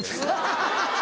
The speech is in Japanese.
ハハハハ！